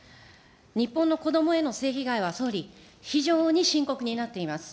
日本の子どもへの性被害は総理、非常に深刻になっています。